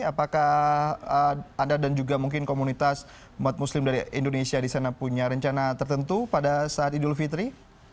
apakah anda dan juga mungkin komunitas umat muslim dari indonesia di sana punya rencana tertentu pada saat idul fitri